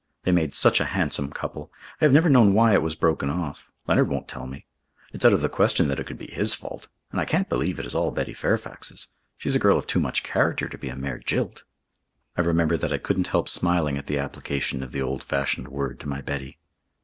They made such a handsome couple. I have never known why it was broken off. Leonard won't tell me. It's out of the question that it could be his fault, and I can't believe it is all Betty Fairfax's. She's a girl of too much character to be a mere jilt." I remember that I couldn't help smiling at the application of the old fashioned word to my Betty.